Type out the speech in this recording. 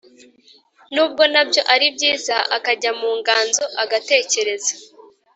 nubwo na byo ari byiza, akajya mu nganzo, agatekereza,